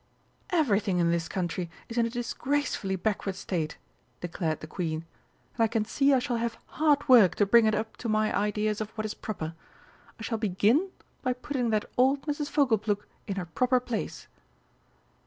"Everything in this country is in a disgracefully backward state!" declared the Queen; "and I can see I shall have hard work to bring it up to my ideas of what is proper. I shall begin by putting that old Mrs. Fogleplug in her proper place."